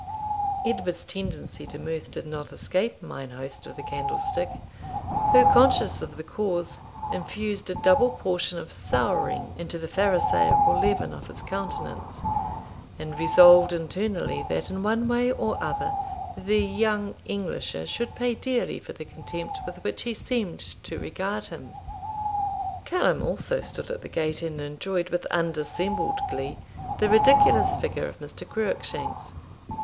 Edward's tendency to mirth did not escape mine host of the Candlestick, who, conscious of the cause, infused a double portion of souring into the pharisaical leaven of his countenance, and resolved internally that, in one way or other, the young 'Englisher' should pay dearly for the contempt with which he seemed to regard him. Callum also stood at the gate and enjoyed, with undissembled glee, the ridiculous figure of Mr. Cruickshanks.